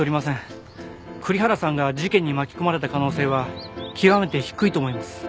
栗原さんが事件に巻き込まれた可能性は極めて低いと思います。